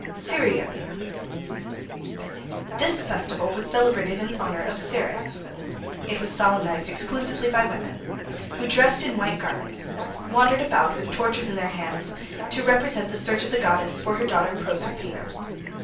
CEREALIA. This festival was celebrated in honour of Ceres. It was solemnized exclusively by women, who, dressed in white garments, wandered about with torches in their hands, to represent the search of the goddess for her daughter Proserpine.